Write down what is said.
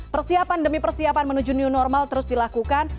persiapan demi persiapan menuju new normal terus dilakukan